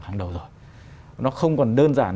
hàng đầu rồi nó không còn đơn giản